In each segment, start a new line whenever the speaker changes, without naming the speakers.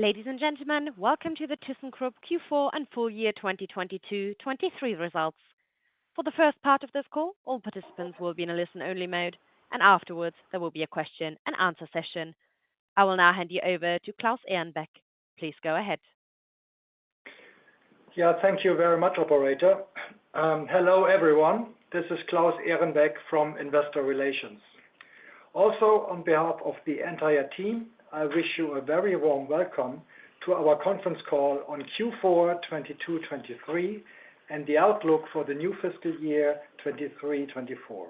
Ladies and gentlemen, welcome to the Thyssenkrupp Q4 and full year 2022, 2023 results. For the first part of this call, all participants will be in a listen-only mode, and afterwards, there will be a question-and-answer session. I will now hand you over to Claus Ehrenbeck. Please go ahead.
Yeah, thank you very much, operator. Hello, everyone. This is Claus Ehrenbeck from Investor Relations. Also, on behalf of the entire team, I wish you a very warm welcome to our conference call on Q4 2022, 2023, and the outlook for the new fiscal year 2023, 2024.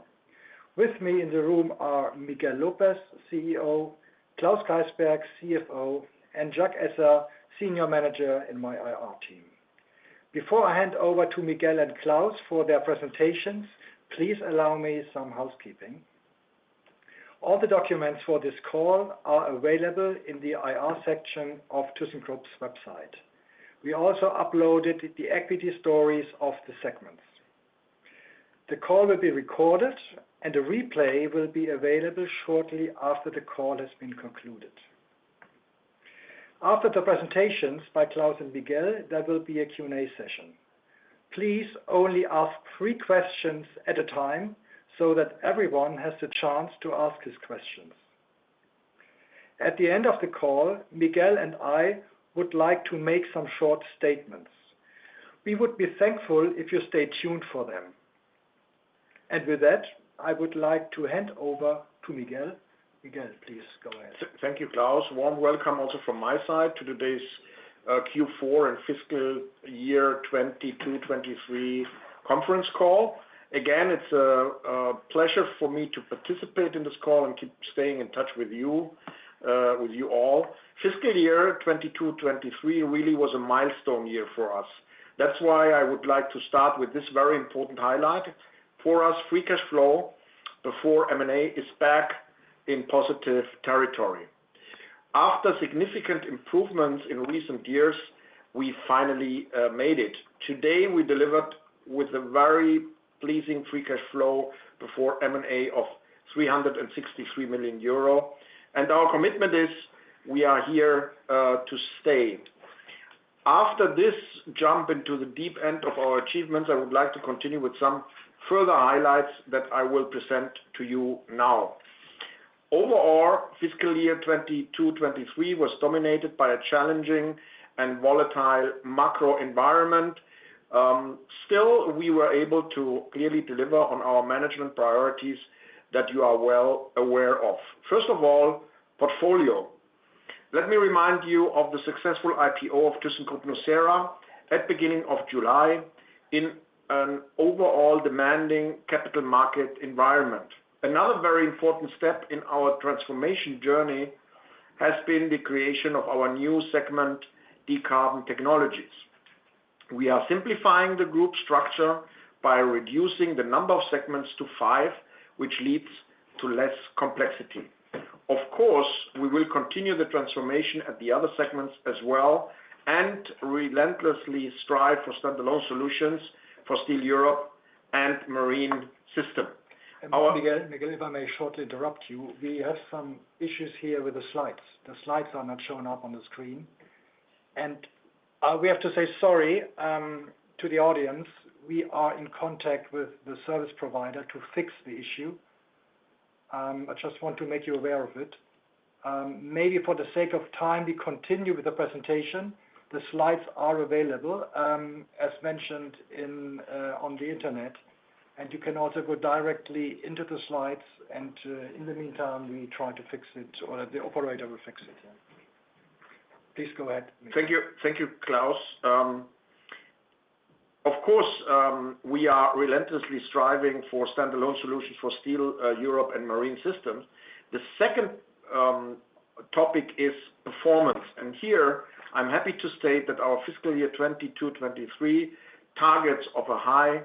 With me in the room are Miguel López, CEO, Klaus Keysberg, CFO, and Jack Esser, Senior Manager in my IR team. Before I hand over to Miguel and Klaus for their presentations, please allow me some housekeeping. All the documents for this call are available in the IR section of Thyssenkrupp's website. We also uploaded the equity stories of the segments. The call will be recorded, and a replay will be available shortly after the call has been concluded. After the presentations by Klaus and Miguel, there will be a Q&A session. Please only ask three questions at a time so that everyone has the chance to ask his questions. At the end of the call, Miguel and I would like to make some short statements. We would be thankful if you stay tuned for them. With that, I would like to hand over to Miguel. Miguel, please go ahead.
Thank you, Claus. Warm welcome also from my side to today's Q4 and fiscal year 2022, 2023 conference call. Again, it's a pleasure for me to participate in this call and keep staying in touch with you, with you all. Fiscal year 2022, 2023 really was a milestone year for us. That's why I would like to start with this very important highlight. For us, free cash flow before M&A is back in positive territory. After significant improvements in recent years, we finally made it. Today, we delivered with a very pleasing free cash flow before M&A of 363 million euro, and our commitment is we are here to stay. After this jump into the deep end of our achievements, I would like to continue with some further highlights that I will present to you now. Overall, fiscal year 2022-2023 was dominated by a challenging and volatile macro environment. Still, we were able to clearly deliver on our management priorities that you are well aware of. First of all, portfolio. Let me remind you of the successful IPO of Thyssenkrupp nucera at beginning of July in an overall demanding capital market environment. Another very important step in our transformation journey has been the creation of our new segment, Decarbon Technologies. We are simplifying the group structure by reducing the number of segments to five, which leads to less complexity. Of course, we will continue the transformation at the other segments as well, and relentlessly strive for standalone solutions for Steel Europe and Marine Systems. Our-
Miguel, Miguel, if I may shortly interrupt you, we have some issues here with the slides. The slides are not showing up on the screen, and we have to say sorry to the audience. We are in contact with the service provider to fix the issue. I just want to make you aware of it. Maybe for the sake of time, we continue with the presentation. The slides are available, as mentioned in on the Internet, and you can also go directly into the slides, and in the meantime, we try to fix it, or the operator will fix it. Please go ahead.
Thank you. Thank you, Claus. Of course, we are relentlessly striving for standalone solutions for Steel Europe and Marine Systems. The second topic is performance, and here I'm happy to state that our fiscal year 2022-2023 targets of a high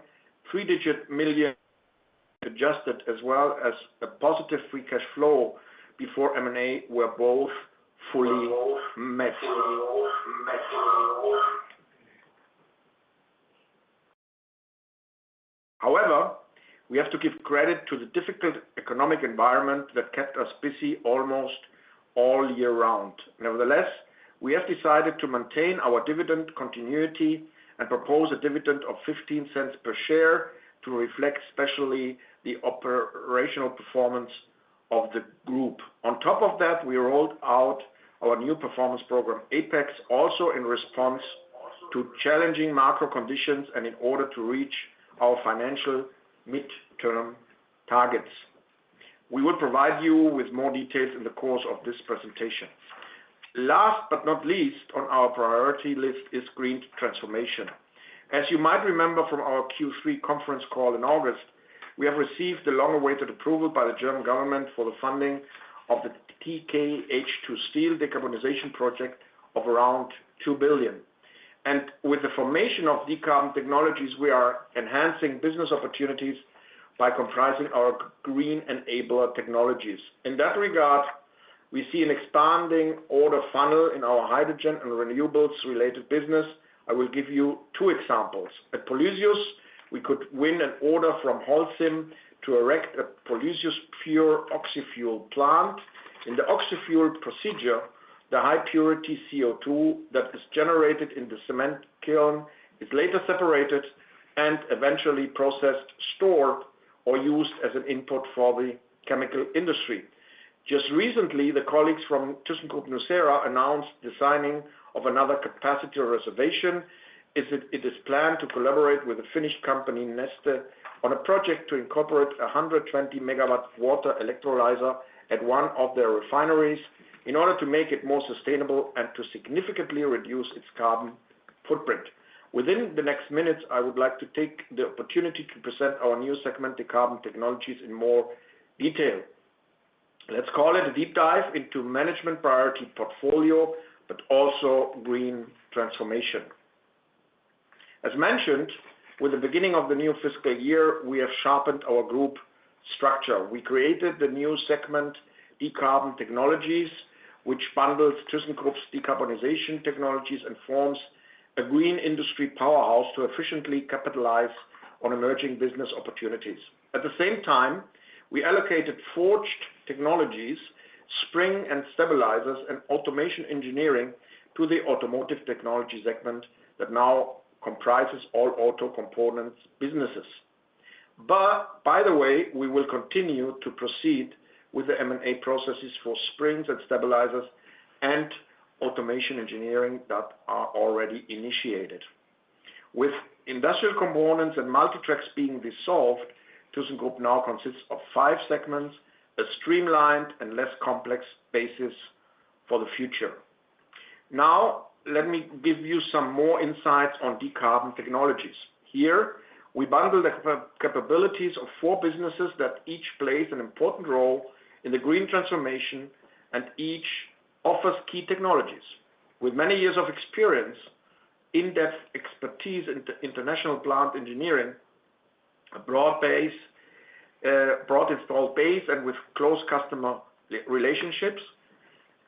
three-digit million adjusted, as well as a positive free cash flow before M&A, were both fully met. However, we have to give credit to the difficult economic environment that kept us busy almost all year round. Nevertheless, we have decided to maintain our dividend continuity and propose a dividend of 0.15 per share to reflect, especially the operational performance of the group. On top of that, we rolled out our new performance program, APEX, also in response to challenging macro conditions and in order to reach our financial midterm targets. We will provide you with more details in the course of this presentation. Last, but not least, on our priority list is green transformation. As you might remember from our Q3 conference call in August, we have received the long-awaited approval by the German government for the funding of the tkH2Steel decarbonization project of around 2 billion. With the formation of Decarbon Technologies, we are enhancing business opportunities by comprising our green enabler technologies. In that regard, we see an expanding order funnel in our hydrogen and renewables-related business. I will give you two examples: At Polysius, we could win an order from Holcim to erect a Polysius pure oxyfuel plant. In the oxyfuel procedure, the high-purity CO2 that is generated in the cement kiln is later separated and eventually processed, stored, or used as an input for the chemical industry. Just recently, the colleagues from Thyssenkrupp nucera announced the signing of another capacity reservation. It is planned to collaborate with the Finnish company, Neste, on a project to incorporate a 120 MW water electrolyzer at one of their refineries, in order to make it more sustainable and to significantly reduce its carbon footprint. Within the next minutes, I would like to take the opportunity to present our new segment, Decarbon Technologies, in more detail. Let's call it a deep dive into management priority portfolio, but also green transformation. As mentioned, with the beginning of the new fiscal year, we have sharpened our group structure. We created the new segment, Decarbon Technologies, which bundles Thyssenkrupp's decarbonization technologies, and forms a green industry powerhouse to efficiently capitalize on emerging business opportunities. At the same time, we allocated Forged Technologies, Springs and Stabilizers, and Automation Engineering to the Automotive Technology segment, that now comprises all auto components businesses. But by the way, we will continue to proceed with the M&A processes for Springs and Stabilizers and Automation Engineering that are already initiated. With Industrial Components and Multi Tracks being dissolved, Thyssenkrupp now consists of five segments: a streamlined and less complex basis for the future. Now, let me give you some more insights on Decarbon Technologies. Here, we bundle the capabilities of four businesses, that each plays an important role in the green transformation, and each offers key technologies. With many years of experience, in-depth expertise in international plant engineering, a broad base, broad installed base, and with close customer relationships,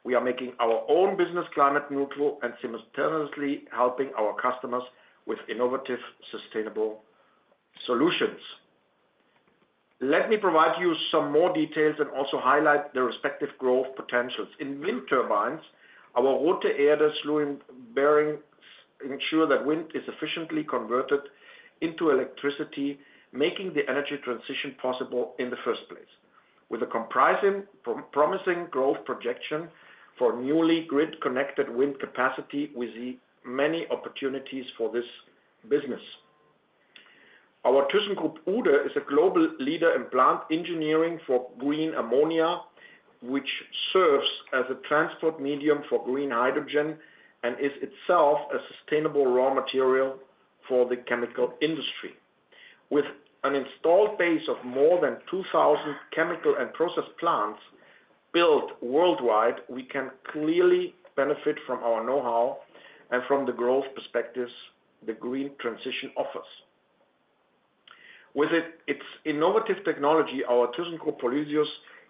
we are making our own business climate neutral and simultaneously helping our customers with innovative, sustainable solutions. Let me provide you some more details and also highlight the respective growth potentials. In wind turbines, our rotor and air bearing ensure that wind is efficiently converted into electricity, making the energy transition possible in the first place. With a promising growth projection for newly grid-connected wind capacity, we see many opportunities for this business. Our Thyssenkrupp Uhde is a global leader in plant engineering for green ammonia, which serves as a transport medium for green hydrogen, and is itself a sustainable raw material for the chemical industry. With an installed base of more than 2,000 chemical and process plants built worldwide, we can clearly benefit from our know-how and from the growth perspectives the green transition offers. With its innovative technology, our Thyssenkrupp Polysius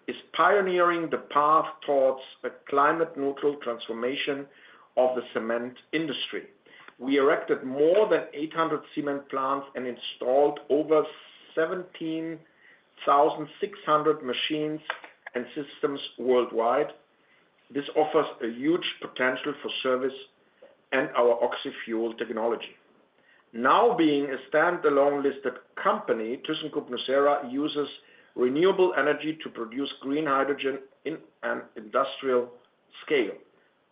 is pioneering the path towards a climate-neutral transformation of the cement industry. We erected more than 800 cement plants and installed over 17,600 machines and systems worldwide. This offers a huge potential for service and our oxyfuel technology. Now, being a standalone listed company, Thyssenkrupp nucera uses renewable energy to produce green hydrogen in an industrial scale.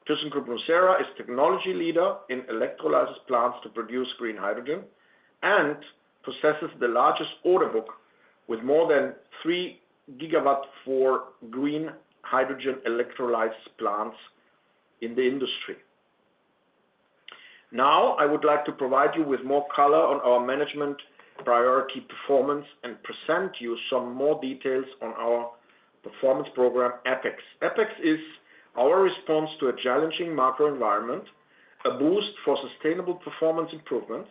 Thyssenkrupp nucera is technology leader in electrolysis plants to produce green hydrogen, and possesses the largest order book, with more than 3 GW for green hydrogen electrolysis plants in the industry. Now, I would like to provide you with more color on our management priority performance, and present you some more details on our performance program, APEX. APEX is our response to a challenging macro environment, a boost for sustainable performance improvements,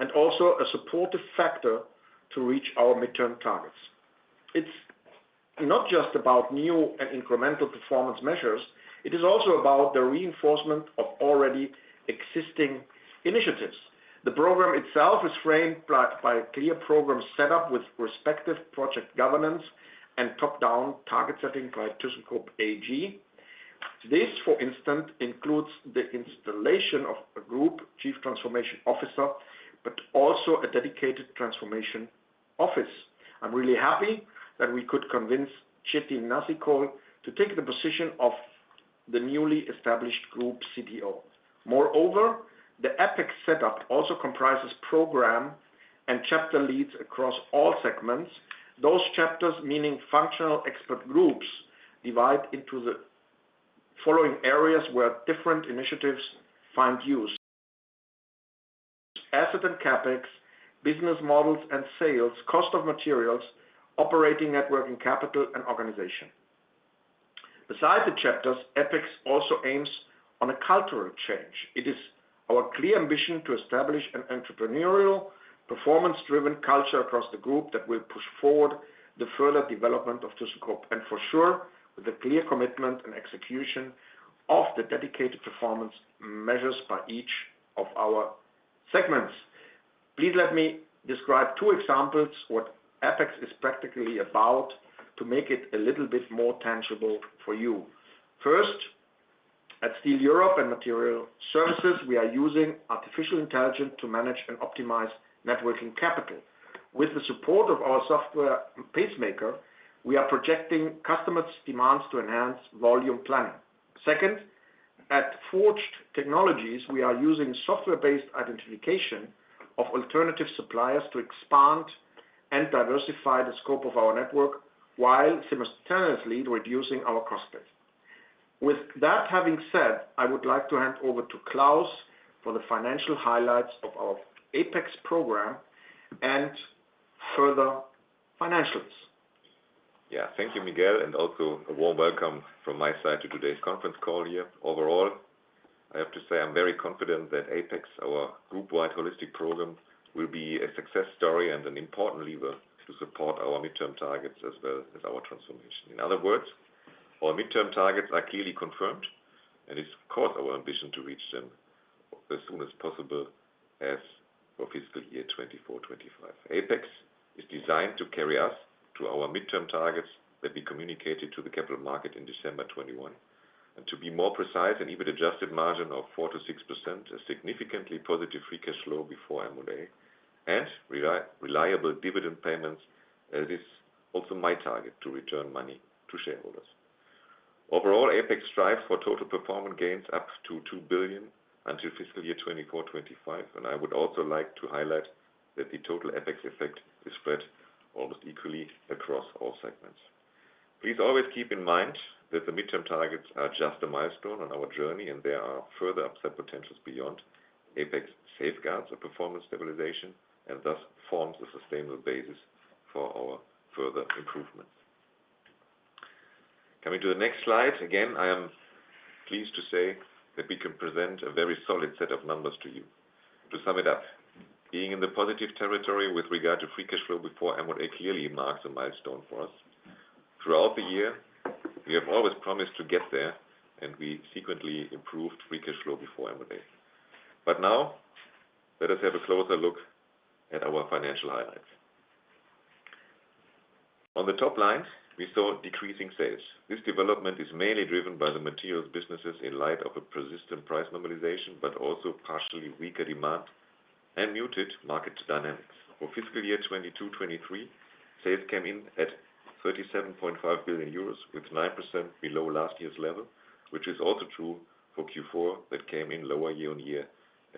and also a supportive factor to reach our midterm targets. It's not just about new and incremental performance measures, it is also about the reinforcement of already existing initiatives. The program itself is framed by a clear program set up with respective project governance and top-down target setting by Thyssenkrupp AG. This, for instance, includes the installation of a Group Chief Transformation Officer, but also a dedicated transformation office. I'm really happy that we could convince Çetin Nazikkol to take the position of the newly established Group CTO. Moreover, the APEX setup also comprises program and chapter leads across all segments. Those chapters, meaning functional expert groups, divide into the following areas where different initiatives find use: asset and CapEx, business models and sales, cost of materials, operating net working capital, and organization. Besides the chapters, APEX also aims on a cultural change. It is our clear ambition to establish an entrepreneurial, performance-driven culture across the group, that will push forward the further development of Thyssenkrupp. And for sure, with a clear commitment and execution of the dedicated performance measures by each of our segments. Please let me describe two examples what APEX is practically about to make it a little bit more tangible for you. First, at Steel Europe and Materials Services, we are using artificial intelligence to manage and optimize net working capital. With the support of our software Pacemaker, we are projecting customers' demands to enhance volume planning. Second, at Forged Technologies, we are using software-based identification of alternative suppliers to expand and diversify the scope of our network, while simultaneously reducing our cost base. With that having said, I would like to hand over to Klaus for the financial highlights of our APEX program and further financials.
Yeah. Thank you, Miguel, and also a warm welcome from my side to today's conference call here. Overall, I have to say I'm very confident that APEX, our group-wide holistic program, will be a success story and an important lever to support our midterm targets, as well as our transformation. In other words, our midterm targets are clearly confirmed, and it's, of course, our ambition to reach them as soon as possible as for fiscal year 2024, 2025. APEX is designed to carry us to our midterm targets that we communicated to the capital market in December 2021. And to be more precise, an EBIT adjusted margin of 4%-6%, a significantly positive free cash flow before M&A, and reliable dividend payments, as is also my target to return money to shareholders. Overall, APEX strives for total performance gains up to 2 billion until fiscal year 2024-2025, and I would also like to highlight that the total APEX effect is spread almost equally across all segments. Please always keep in mind that the midterm targets are just a milestone on our journey, and there are further upside potentials beyond APEX safeguards or performance stabilization, and thus forms a sustainable basis for our further improvements. Coming to the next slide, again, I am pleased to say that we can present a very solid set of numbers to you. To sum it up, being in the positive territory with regard to free cash flow before M&A clearly marks a milestone for us. Throughout the year, we have always promised to get there, and we sequentially improved free cash flow before M&A. But now, let us have a closer look at our financial highlights. On the top line, we saw decreasing sales. This development is mainly driven by the materials businesses in light of a persistent price normalization, but also partially weaker demand and muted market dynamics. For fiscal year 2022/23, sales came in at 37.5 billion euros, with 9% below last year's level, which is also true for Q4, that came in lower year-on-year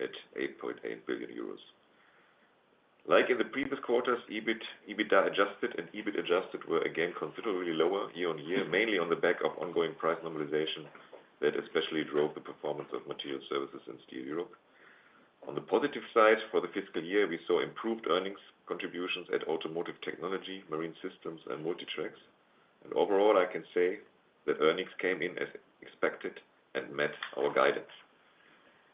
at 8.8 billion euros. Like in the previous quarters, EBIT, EBITDA adjusted and EBIT adjusted were again considerably lower year-on-year, mainly on the back of ongoing price normalization that especially drove the performance of Materials Services in Steel Europe. On the positive side, for the fiscal year, we saw improved earnings contributions at Automotive Technology, Marine Systems, and Multi Tracks. Overall, I can say that earnings came in as expected and met our guidance.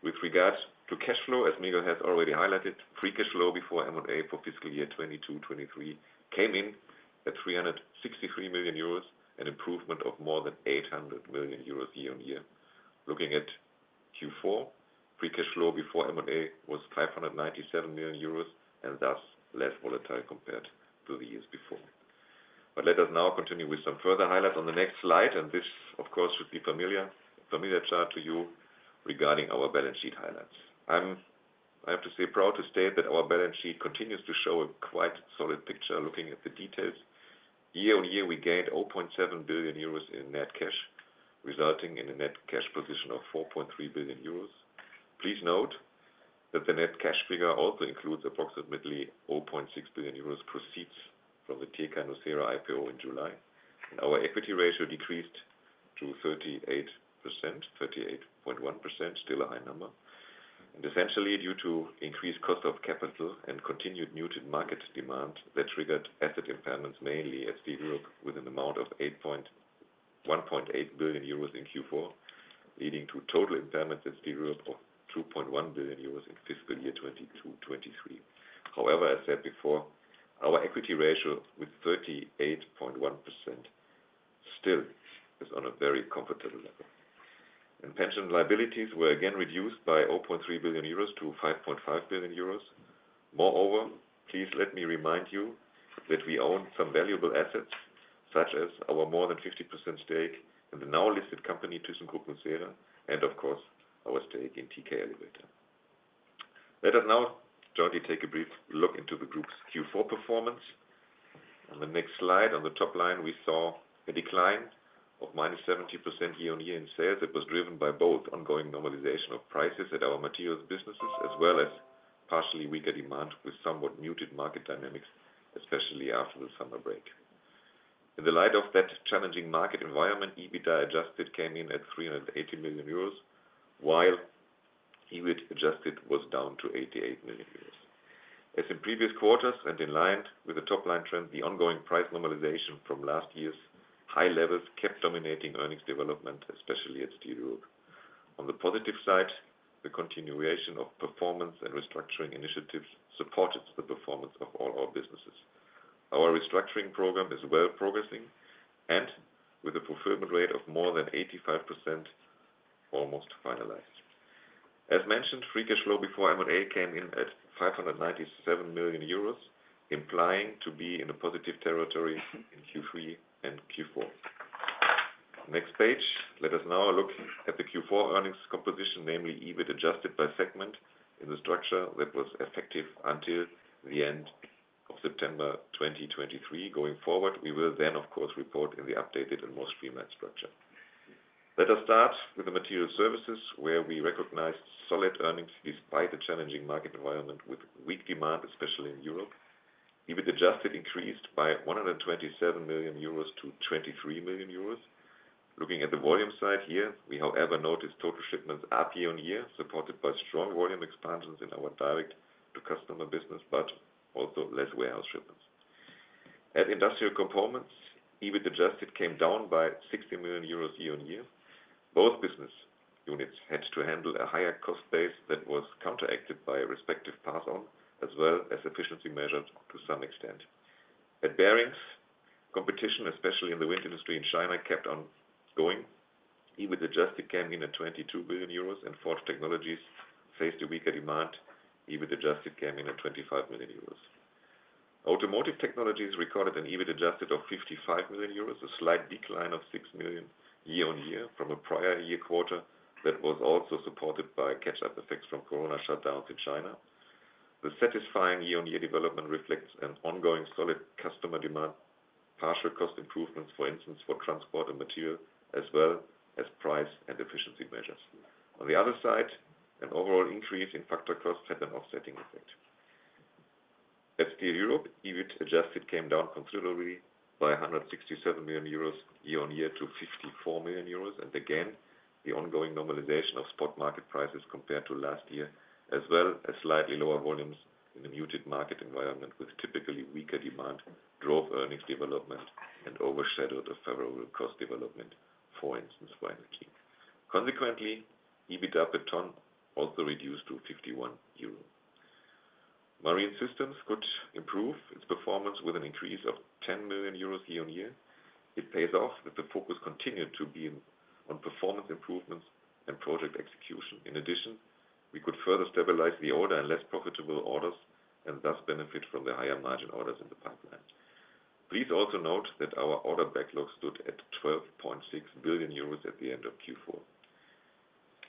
With regards to cash flow, as Miguel has already highlighted, free cash flow before M&A for fiscal year 2022-2023 came in at 363 million euros, an improvement of more than 800 million euros year-on-year. Looking at Q4, free cash flow before M&A was 597 million euros, and thus less volatile compared to the years before. Let us now continue with some further highlights on the next slide, and this, of course, should be familiar, familiar chart to you regarding our balance sheet highlights. I'm, I have to say, proud to state that our balance sheet continues to show a quite solid picture. Looking at the details, year-on-year, we gained 0.7 billion euros in net cash, resulting in a net cash position of 4.3 billion euros. Please note that the net cash figure also includes approximately 0.6 billion euros proceeds from the TK nucera IPO in July. Our equity ratio decreased to 38%, 38.1%, still a high number, and essentially due to increased cost of capital and continued muted market demand that triggered asset impairments, mainly at Steel Europe, with an amount of one point eight billion euros in Q4, leading to total impairments at Steel Europe of 2.1 billion euros in fiscal year 2022/23. However, as said before, our equity ratio with 38.1% still is on a very comfortable level. Pension liabilities were again reduced by 0.3 billion euros to 5.5 billion euros. Moreover, please let me remind you that we own some valuable assets, such as our more than 50% stake in the now listed company, Thyssenkrupp nucera, and of course, our stake in TK Elevator. Let us now jointly take a brief look into the group's Q4 performance. On the next slide, on the top line, we saw a decline of -17% year-on-year in sales. It was driven by both ongoing normalization of prices at our materials businesses, as well as partially weaker demand, with somewhat muted market dynamics, especially after the summer break. In the light of that challenging market environment, EBITDA adjusted came in at 380 million euros, while EBIT adjusted was down to 88 million euros. As in previous quarters and in line with the top-line trend, the ongoing price normalization from last year's high levels kept dominating earnings development, especially at Steel Europe. On the positive side, the continuation of performance and restructuring initiatives supported the performance of all our businesses. Our restructuring program is well progressing and with a fulfillment rate of more than 85%, almost finalized. As mentioned, free cash flow before M&A came in at 597 million euros, implying to be in a positive territory in Q3 and Q4. Next page. Let us now look at the Q4 earnings composition, namely, EBIT adjusted by segment in the structure that was effective until the end of September 2023. Going forward, we will then, of course, report in the updated and more streamlined structure. Let us start with the Materials Services, where we recognized solid earnings despite the challenging market environment with weak demand, especially in Europe. EBIT adjusted increased by 127 million euros to 23 million euros. Looking at the volume side here, we, however, noticed total shipments up year-on-year, supported by strong volume expansions in our direct-to-customer business, but also less warehouse shipments. At Industrial Components, EBIT adjusted came down by 60 million euros year-on-year. Both business units had to handle a higher cost base that was counteracted by a respective pass on, as well as efficiency measures to some extent. At Bearings, competition, especially in the wind industry in China, kept on going. EBIT adjusted came in at 22 million euros and Forged Technologies faced a weaker demand. EBIT adjusted came in at 25 million euros. Automotive Technology recorded an EBIT adjusted of 55 million euros, a slight decline of 6 million year-on-year from a prior year quarter that was also supported by catch-up effects from Corona shutdowns in China. The satisfying year-on-year development reflects an ongoing solid customer demand, partial cost improvements, for instance, for transport and material, as well as price and efficiency measures. On the other side, an overall increase in factor costs had an offsetting effect. At Steel Europe, EBIT adjusted came down considerably by 167 million euros year-on-year to 54 million euros. And again, the ongoing normalization of spot market prices compared to last year, as well as slightly lower volumes in the muted market environment with typically weaker demand, drove earnings development and overshadowed a favorable cost development, for instance, by the hedging. Consequently, EBITDA per ton also reduced to 51 euro. Marine Systems could improve its performance with an increase of 10 million euros year-on-year. It pays off, that the focus continued to be on performance improvements and project execution. In addition, we could further stabilize the order and less profitable orders, and thus benefit from the higher margin orders in the pipeline. Please also note that our order backlog stood at 12.6 billion euros at the end of Q4.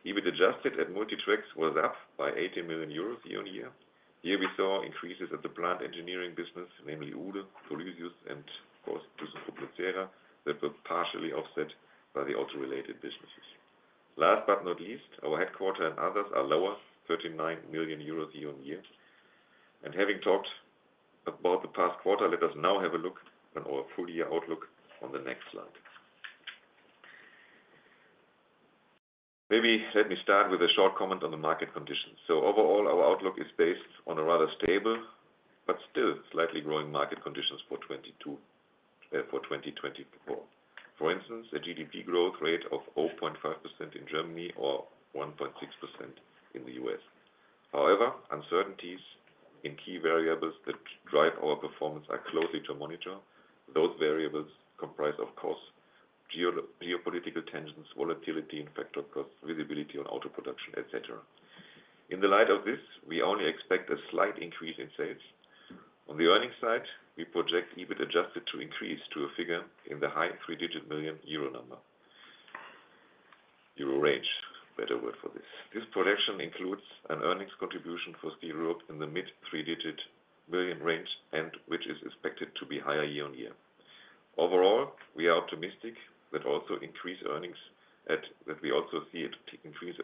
EBIT adjusted at Materials Services was up by 80 million euros year-on-year. Here we saw increases at the plant engineering business, namely, Uhde, Polysius, and of course, Thyssenkrupp nucera, that were partially offset by the auto-related businesses. Last but not least, our headquarters and others are lower, 39 million euros year-on-year. Having talked about the past quarter, let us now have a look on our full year outlook on the next slide. Maybe let me start with a short comment on the market conditions. So overall, our outlook is based on a rather stable but still slightly growing market conditions for 2022, for 2024. For instance, a GDP growth rate of 0.5% in Germany or 1.6% in the U.S. However, uncertainties in key variables that drive our performance are closely to monitor. Those variables comprise, of course, geopolitical tensions, volatility in factor costs, visibility on auto production, et cetera. In the light of this, we only expect a slight increase in sales. On the earnings side, we project EBIT adjusted to increase to a figure in the high three-digit million EUR range, better word for this. This projection includes an earnings contribution for Steel Europe in the mid three-digit million range, and which is expected to be higher year-on-year. Overall, we are optimistic that we also see increased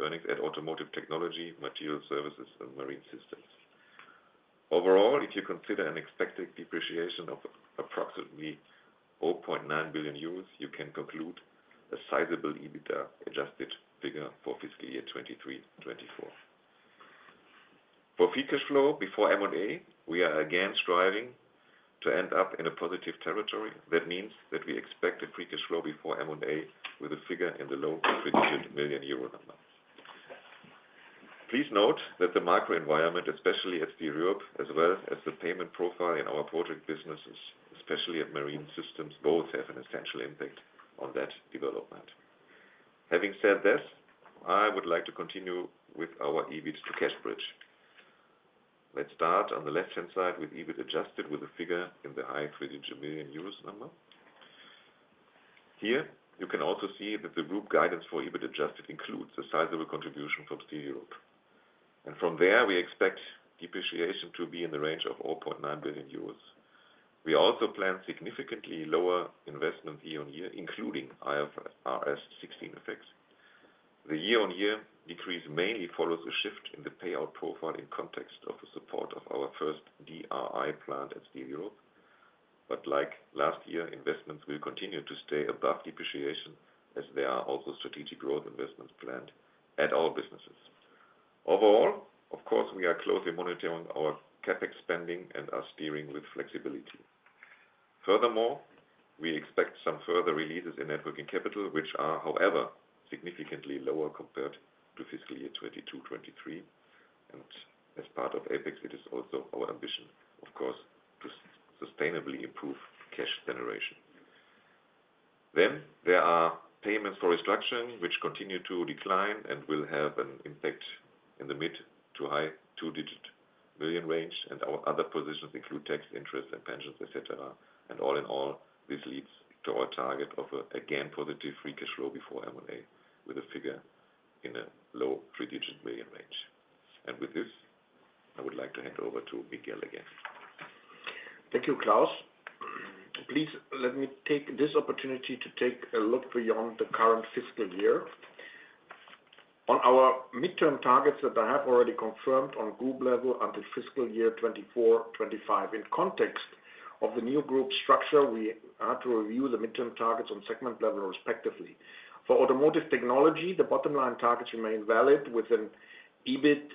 earnings at Automotive Technology, Materials Services and Marine Systems. Overall, if you consider an expected depreciation of approximately 4.9 billion euros, you can conclude a sizable EBITDA adjusted figure for fiscal year 2023/2024. For free cash flow before M&A, we are again striving to end up in a positive territory. That means that we expect a free cash flow before M&A with a figure in the low three-digit million EUR number. Please note that the macro environment, especially at Steel Europe, as well as the payment profile in our project businesses, especially at Marine Systems, both have an essential impact on that development. Having said this, I would like to continue with our EBIT to cash bridge. Let's start on the left-hand side with EBIT adjusted with a figure in the high three-digit million EUR number. Here, you can also see that the group guidance for EBIT adjusted includes a sizable contribution from Steel Europe. And from there, we expect depreciation to be in the range of 4.9 billion euros. We also plan significantly lower investment year-over-year, including IFRS 16 effects. The year-over-year decrease mainly follows a shift in the payout profile in context of the support of our first DRI plant at Steel Europe. But like last year, investments will continue to stay above depreciation as there are also strategic growth investments planned at all businesses. Overall, of course, we are closely monitoring our CapEx spending and are steering with flexibility. Furthermore, we expect some further releases in net working capital, which are, however, significantly lower compared to fiscal year 2022, 2023, and as part of APEX, it is also our ambition, of course, to sustainably improve cash generation. Then there are payments for restructuring, which continue to decline and will have an impact in the mid- to high two-digit million EUR range, and our other positions include tax, interest, and pensions, et cetera. And all in all, this leads to our target of, again, positive free cash flow before M&A, with a figure in a low three-digit million EUR range. And with this, I would like to hand over to Miguel again.
Thank you, Klaus. Please let me take this opportunity to take a look beyond the current fiscal year. On our midterm targets that I have already confirmed on group level until fiscal year 2024, 2025. In context of the new group structure, we had to review the midterm targets on segment level, respectively. For automotive technology, the bottom line targets remain valid, with an EBIT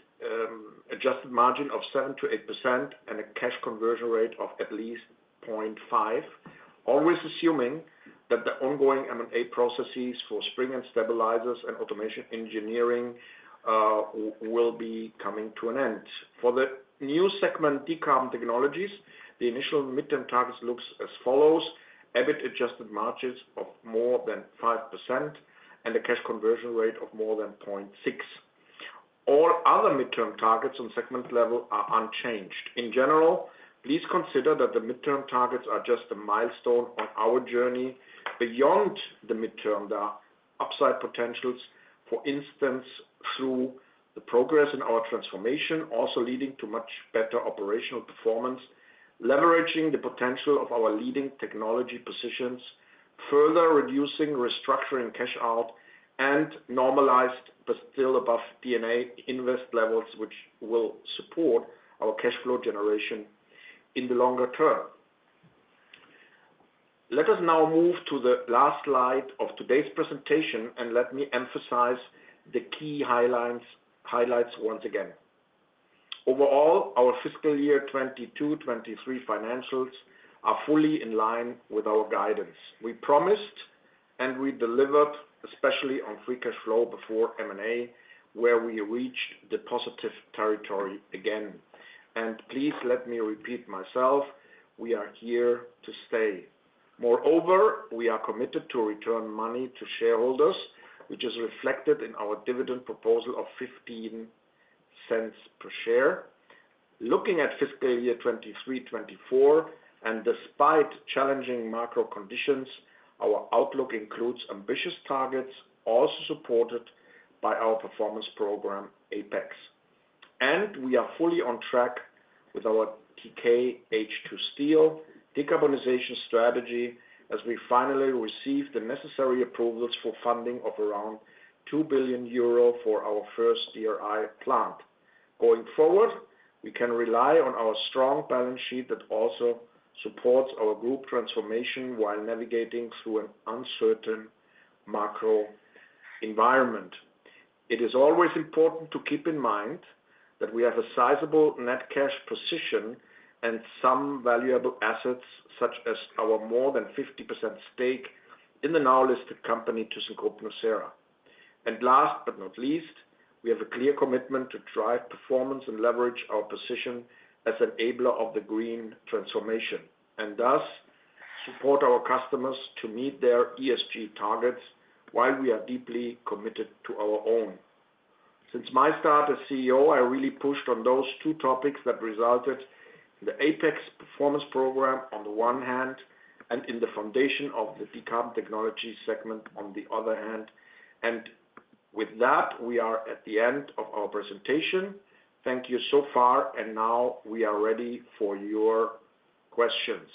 adjusted margin of 7%-8% and a cash conversion rate of at least 0.5. Always assuming that the ongoing M&A processes for Springs and Stabilizers and Automation Engineering will be coming to an end. For the new segment, Decarbon Technologies, the initial midterm targets looks as follows: EBIT adjusted margins of more than 5% and a cash conversion rate of more than 0.6. All other midterm targets on segment level are unchanged. In general, please consider that the midterm targets are just a milestone on our journey. Beyond the midterm, there are upside potentials, for instance, through the progress in our transformation, also leading to much better operational performance, leveraging the potential of our leading technology positions, further reducing restructuring cash out and normalized, but still above D&A invest levels, which will support our cash flow generation in the longer term. Let us now move to the last slide of today's presentation, and let me emphasize the key highlights, highlights once again. Overall, our fiscal year 2022-2023 financials are fully in line with our guidance. We promised and we delivered, especially on free cash flow before M&A, where we reached the positive territory again. Please let me repeat myself, we are here to stay. Moreover, we are committed to return money to shareholders, which is reflected in our dividend proposal of 0.15 per share. Looking at fiscal year 2023, 2024, and despite challenging macro conditions, our outlook includes ambitious targets, also supported by our performance program, APEX. We are fully on track with our TK H2 Steel decarbonization strategy as we finally receive the necessary approvals for funding of around 2 billion euro for our first DRI plant. Going forward, we can rely on our strong balance sheet that also supports our group transformation, while navigating through an uncertain macro environment. It is always important to keep in mind that we have a sizable net cash position and some valuable assets, such as our more than 50% stake in the now listed company, Thyssenkrupp nucera. And last but not least, we have a clear commitment to drive performance and leverage our position as an enabler of the green transformation, and thus support our customers to meet their ESG targets, while we are deeply committed to our own. Since my start as CEO, I really pushed on those two topics that resulted in the APEX performance program, on the one hand, and in the foundation of the Decarbon Technologies segment on the other hand. And with that, we are at the end of our presentation. Thank you so far, and now we are ready for your questions.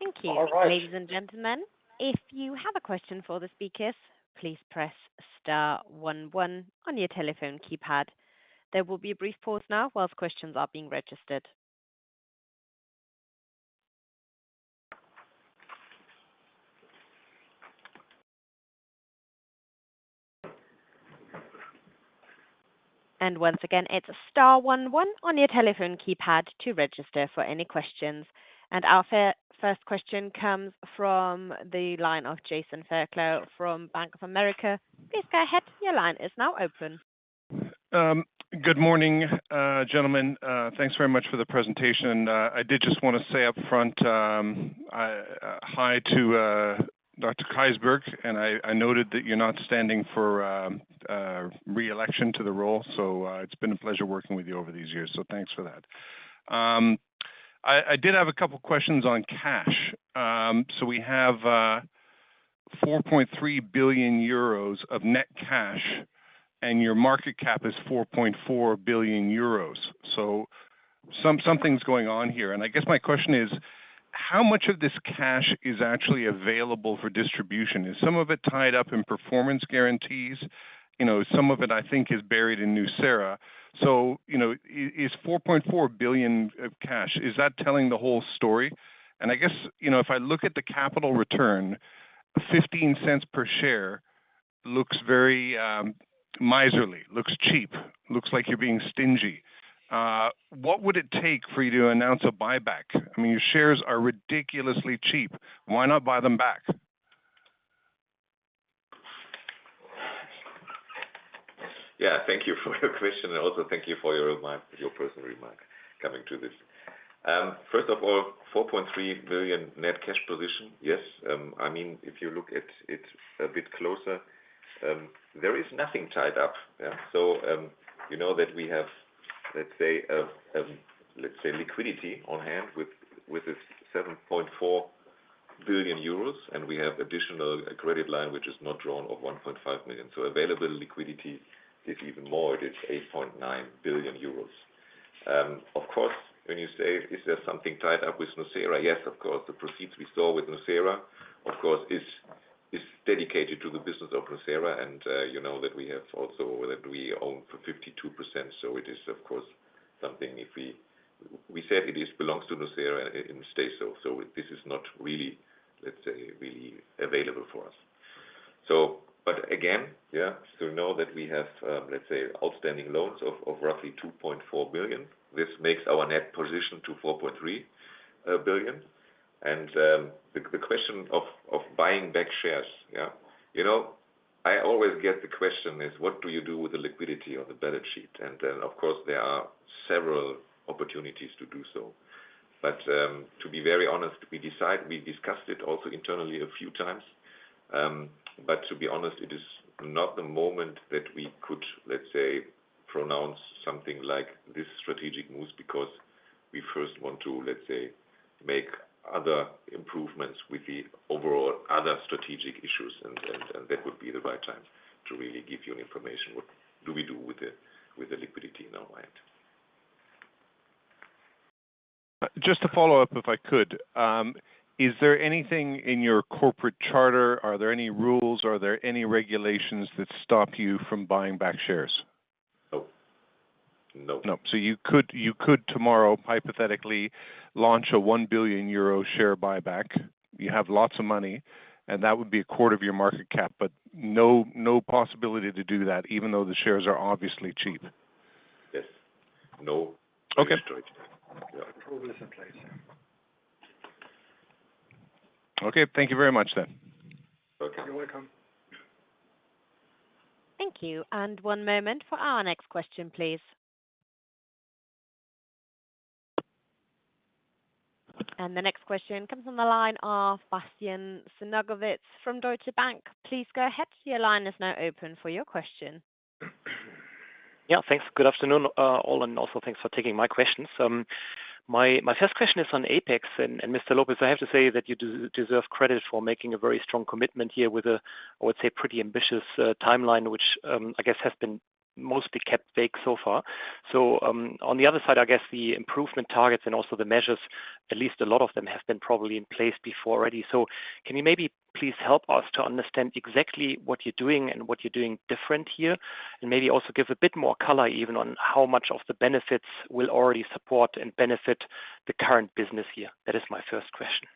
Thank you.
All right.
Ladies and gentlemen, if you have a question for the speakers, please press star one one on your telephone keypad. There will be a brief pause now while the questions are being registered. And once again, it's star one one on your telephone keypad to register for any questions. And our first question comes from the line of Jason Fairclough from Bank of America. Please go ahead. Your line is now open.
Good morning, gentlemen. Thanks very much for the presentation. I did just want to say up front, hi, to Dr. Keysberg, and I noted that you're not standing for re-election to the role, so it's been a pleasure working with you over these years, so thanks for that. I did have a couple of questions on cash. So we have 4.3 billion euros of net cash, and your market cap is 4.4 billion euros. So something's going on here, and I guess my question is: how much of this cash is actually available for distribution? Is some of it tied up in performance guarantees? You know, some of it, I think, is buried in Nucera. So, you know, is 4.4 billion of cash, is that telling the whole story? And I guess, you know, if I look at the capital return, 0.15 per share looks very, miserly, looks cheap, looks like you're being stingy. What would it take for you to announce a buyback? I mean, your shares are ridiculously cheap. Why not buy them back?
Yeah, thank you for your question, and also thank you for your remark, your personal remark coming to this. First of all, 4.3 billion net cash position. Yes. I mean, if you look at it a bit closer, there is nothing tied up. Yeah. So, you know that we have, let's say, liquidity on hand with this 7.4 billion euros, and we have additional credit line, which is not drawn, of 1.5 million. So available liquidity is even more, it is 8.9 billion euros. Of course, when you say: Is there something tied up with nucera? Yes, of course. The proceeds we saw with Nucera, of course, is dedicated to the business of Nucera, and, you know, that we have also, that we own for 52%, so it is, of course, something if we, we said it is belongs to Nucera, and it stays so. So this is not really, let's say, really available for us. But again, yeah, so, you know, that we have, let's say, outstanding loans of roughly 2.4 billion. This makes our net position to 4.3 billion. And, the question of buying back shares, yeah. You know, I always get the question is: What do you do with the liquidity of the balance sheet? And then, of course, there are several opportunities to do so. But, to be very honest, we decide, we discussed it also internally a few times. But to be honest, it is not the moment that we could, let's say, pronounce something like this strategic moves, because we first want to, let's say, make other improvements with the overall other strategic issues, and that would be the right time to really give you information. What do we do with the liquidity in our hand?
Just to follow up, if I could. Is there anything in your corporate charter, are there any rules, are there any regulations that stop you from buying back shares?
No. No.
No. So you could, you could tomorrow, hypothetically, launch a 1 billion euro share buyback. You have lots of money, and that would be a quarter of your market cap, but no, no possibility to do that, even though the shares are obviously cheap.
Yes. No-
Okay.
Restricted. Yeah, probably is in place, yeah.
Okay, thank you very much then.
Okay, you're welcome.
Thank you, and one moment for our next question, please. The next question comes from the line of Bastian Synagowitz from Deutsche Bank. Please go ahead. Your line is now open for your question.
Yeah, thanks. Good afternoon, all, and also thanks for taking my questions. My first question is on APEX. And Mr. López, I have to say that you deserve credit for making a very strong commitment here with a, I would say, pretty ambitious timeline, which, I guess has been mostly kept vague so far. So, on the other side, I guess the improvement targets and also the measures, at least a lot of them, have been probably in place before already. So can you maybe please help us to understand exactly what you're doing and what you're doing different here, and maybe also give a bit more color even on how much of the benefits will already support and benefit the current business year? That is my first question.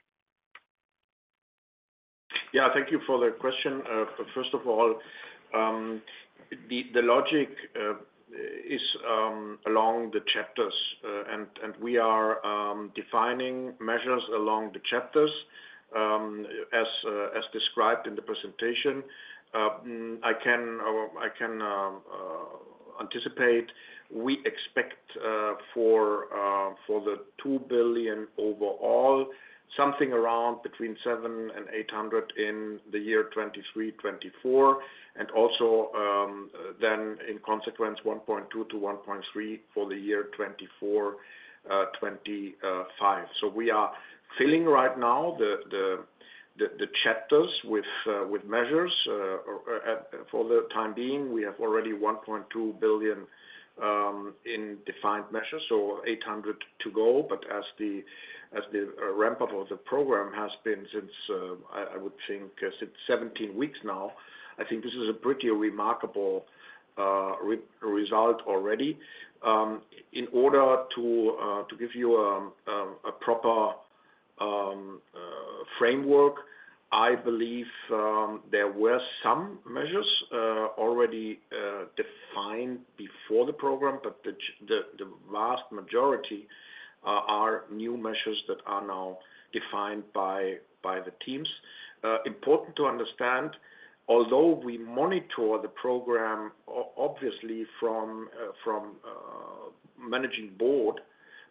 Yeah, thank you for the question. First of all, the logic is along the chapters, and we are defining measures along the chapters, as described in the presentation. I can anticipate, we expect for the 2 billion overall, something around between 700 million and 800 million in the year 2023-2024, and also, then in consequence, 1.2 billion-1.3 billion for the year 2024-2025. So we are filling right now the chapters with measures for the time being. We have already 1.2 billion in defined measures, so 800 million to go. But as the ramp-up of the program has been since 17 weeks now, I would think, I think this is a pretty remarkable result already. In order to give you a proper framework, I believe there were some measures already defined before the program, but the vast majority are new measures that are now defined by the teams. Important to understand, although we monitor the program, obviously from Managing Board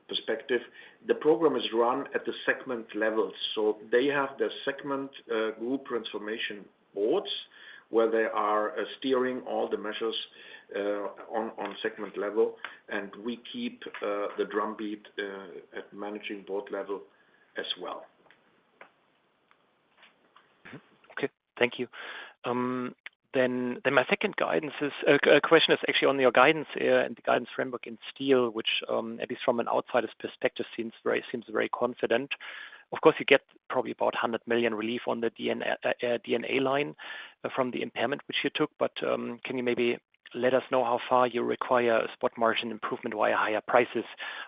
perspective, the program is run at the segment level. So they have the segment group transformation boards, where they are steering all the measures on segment level, and we keep the drumbeat at Managing Board level as well.
Okay, thank you. Then my second guidance is a question is actually on your guidance, and the guidance framework in steel, which, at least from an outsider's perspective, seems very confident. Of course, you get probably about 100 million relief on the D&A line from the impairment which you took, but, can you maybe let us know how far you require a spot margin improvement via higher prices,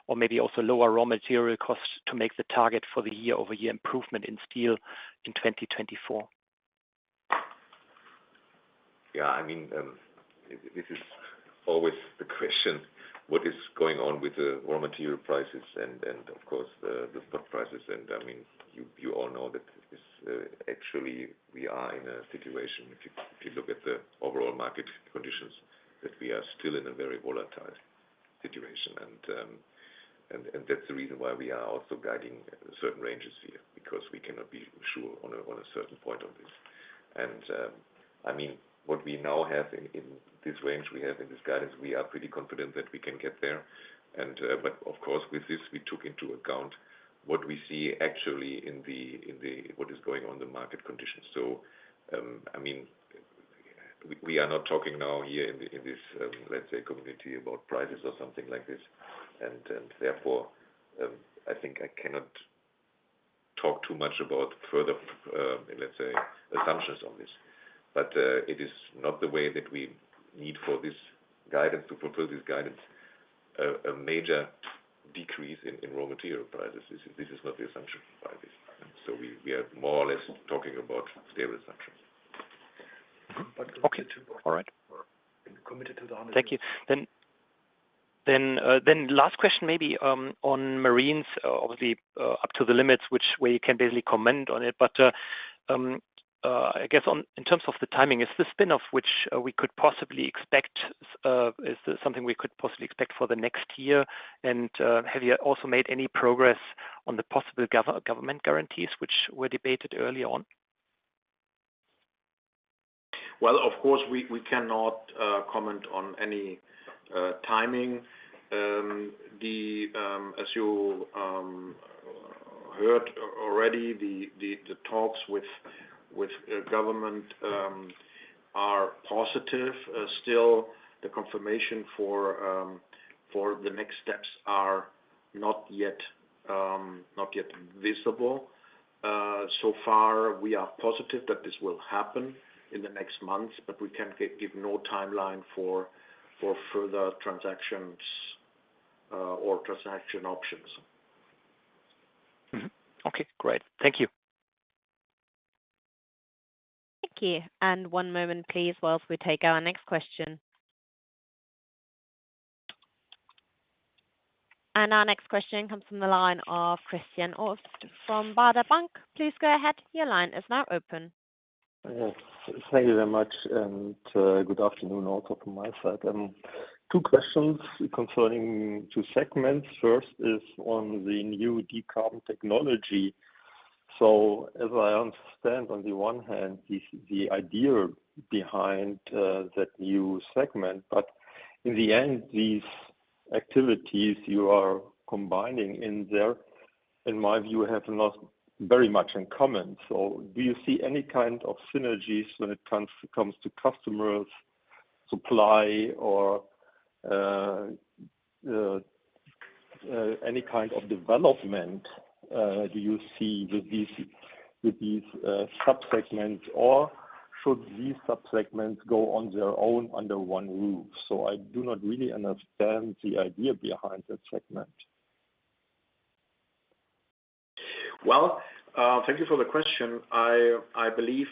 or maybe also lower raw material costs to make the target for the year-over-year improvement in steel in 2024?
Yeah, I mean, this is always the question, what is going on with the raw material prices and, and of course, the, the stock prices, and, I mean, you, you all know that this, actually we are in a situation, if you, if you look at the overall market conditions, that we are still in a very volatile situation. And, and, that's the reason why we are also guiding certain ranges here, because we cannot be sure on a, on a certain point of this. And, I mean, what we now have in, in this range, we have in this guidance, we are pretty confident that we can get there. And, but of course, with this, we took into account what we see actually in the, in the-- what is going on the market conditions. So, I mean, we are not talking now here in this, let's say, community about prices or something like this. Therefore, I think I cannot talk too much about further, let's say, assumptions on this, but it is not the way that we need for this guidance to fulfill this guidance, a major decrease in raw material prices. This is not the assumption by this. We are more or less talking about stable assumptions.
Okay, all right.
Committed to the.
Thank you. Then last question, maybe on Marines, obviously up to the limits which we can barely comment on it, but I guess, in terms of the timing, is the spin-off, which we could possibly expect, is something we could possibly expect for the next year? And have you also made any progress on the possible government guarantees, which were debated early on?
Well, of course, we cannot comment on any timing. As you heard already, the talks with the government are positive. Still, the confirmation for the next steps are not yet visible. So far, we are positive that this will happen in the next months, but we can't give no timeline for further transactions or transaction options.
Okay, great. Thank you.
Thank you. One moment, please, while we take our next question. Our next question comes from the line of Christian Obst from Baader Bank. Please go ahead. Your line is now open.
Yes. Thank you very much, and, good afternoon, also from my side. Two questions concerning two segments. First is on the new Decarbon Technologies. So, as I understand, on the one hand, the idea behind that new segment, but in the end, these activities you are combining in there, in my view, have not very much in common. So do you see any kind of synergies when it comes to customers, supply, or any kind of development, do you see with these subsegments, or should these subsegments go on their own under one roof? So I do not really understand the idea behind that segment.
Well, thank you for the question. I believe,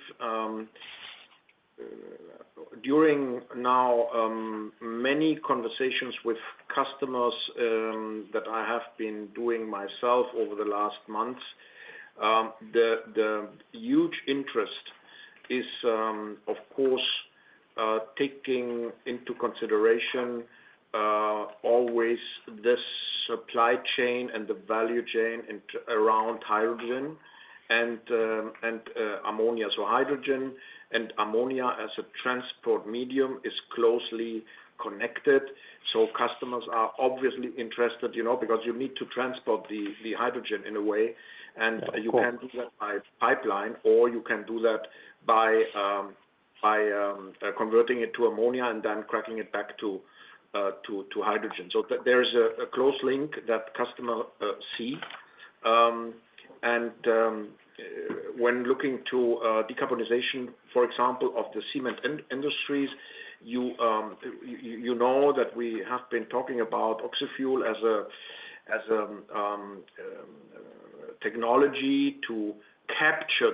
during now, many conversations with customers, that I have been doing myself over the last months, the huge interest is, of course, taking into consideration, always this supply chain and the value chain in, around hydrogen and, and ammonia. So hydrogen and ammonia as a transport medium is closely connected, so customers are obviously interested, you know, because you need to transport the hydrogen in a way, and-
Of course.
You can do that by pipeline, or you can do that by converting it to ammonia and then cracking it back to hydrogen. So there is a close link that customers see. And when looking to decarbonization, for example, of the cement industries, you know that we have been talking about oxy-fuel as a technology to capture